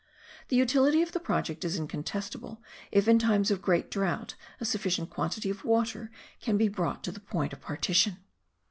The utility of the project is incontestable if in times of great drought a sufficient quantity of water can be brought to the point of partition.